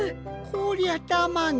こりゃたまげた。